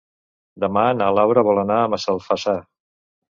Demà na Laura vol anar a Massalfassar.